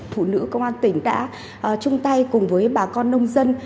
phụ nữ công an tỉnh đã chung tay cùng với bà con nông dân